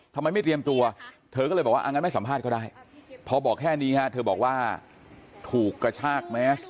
ทำไมไม่เตรียมตัวเธอก็เลยบอกว่างั้นไม่สัมภาษณ์ก็ได้พอบอกแค่นี้ฮะเธอบอกว่าถูกกระชากแมส